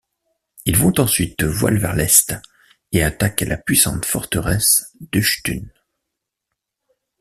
Ils font ensuite voile vers l'est et attaquent la puissante forteresse d'Ushtun.